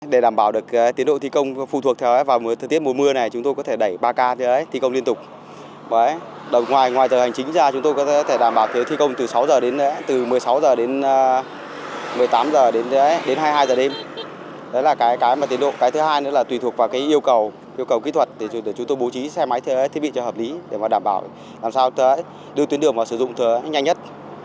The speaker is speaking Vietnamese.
giảm bảo làm sao đưa tuyến đường vào sử dụng thời gian nhanh nhất hiệu quả nhất